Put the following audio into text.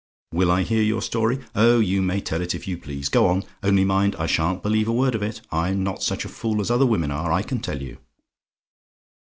"WILL I HEAR YOUR STORY? "Oh, you may tell it if you please; go on: only mind, I sha'n't believe a word of it. I'm not such a fool as other women are, I can tell you.